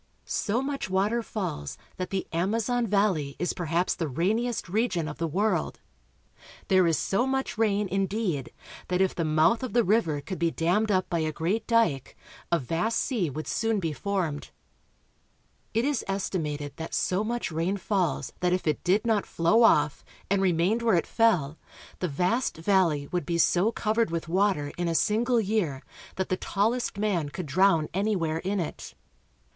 So much water falls that the Amazon valley is perhaps the rainiest region of the world. There is so much rain, indeed, that if the mouth of the river could be dammed up by a great dike a vast sea would soon be formed. It is estimated that so much rain falls that if it did not flow off, and remained where it fell, the vast valley would be so covered with water in a single year that the tallest 302 BRAZIL. man could drown anywhere in it.